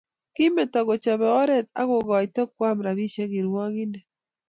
Kimeto kochope oret akokotai koam rabisiek kirwagindet